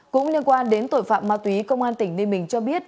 cũng liên quan đến tội phạm ma túy công an tỉnh ninh bình cho biết